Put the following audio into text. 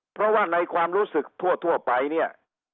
เพราะว่าในความรู้สึกทั่วไปเนี่ย